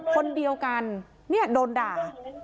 คนเดียวกันเนี่ยโดนด่า